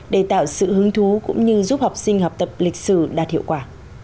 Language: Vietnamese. để tạo sự hứng thú cũng như giúp học sinh học tập lịch sử đạt hiệu quả